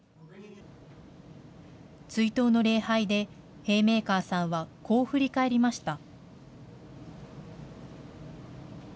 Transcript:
追悼の礼拝で、ヘイメーカーさんはこう振り返りました。